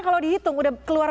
kalau dihitung sudah keluar